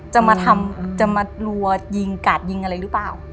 จะมาทำจะมารัวยิงกาดยิงอะไรหรือเปล่า